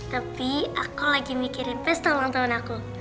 tapi aku lagi mikirin pesta ulang tahun aku